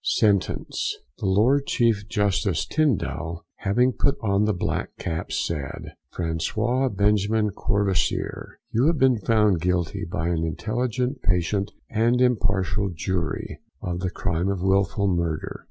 SENTENCE. The LORD CHIEF JUSTICE TINDAL, having put on the black cap, said: François Benjamin Courvoisier, you have been found guilty by an intelligent, patient, and impartial jury of the crime of wilful murder.